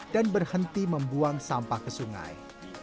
dan berhenti membuang sampah ke sungai